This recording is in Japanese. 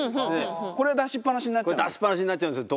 これ出しっぱなしになっちゃうんですね。